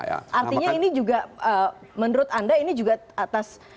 artinya ini juga menurut anda ini juga atas